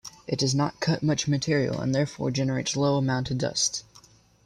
It does not cut much material and therefore generates low amounts of dust.